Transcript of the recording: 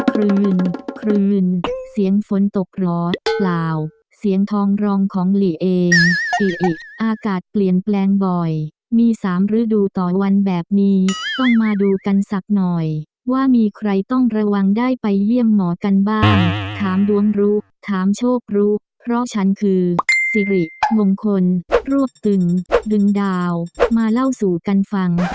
คืนคลืนเสียงฝนตกร้อนเปล่าเสียงทองรองของหลีเองอิอิอากาศเปลี่ยนแปลงบ่อยมี๓ฤดูต่อวันแบบนี้ต้องมาดูกันสักหน่อยว่ามีใครต้องระวังได้ไปเยี่ยมหมอกันบ้างถามดวงรู้ถามโชครู้เพราะฉันคือสิริมงคลรวบตึงดึงดาวมาเล่าสู่กันฟัง